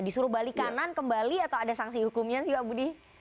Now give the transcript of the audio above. disuruh balik kanan kembali atau ada sanksi hukumnya sih pak budi